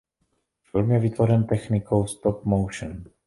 Film je vytvořen technikou stop motion.